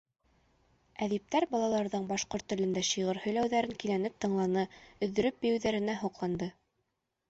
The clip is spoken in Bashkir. Әҙиптәр балаларҙың башҡорт телендә шиғыр һөйләүҙәрен кинәнеп тыңланы, өҙҙөрөп бейеүҙәренә һоҡланды.